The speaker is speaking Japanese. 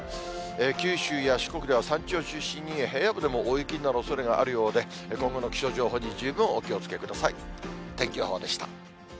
九州や四国では山地を中心に平野部でも大雪になるおそれがあるようで、今後の気象情報に十分お気をつけください。